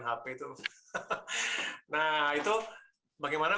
nah itu bagaimana komunikasi itu tanpa suara